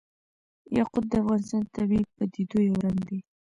یاقوت د افغانستان د طبیعي پدیدو یو رنګ دی.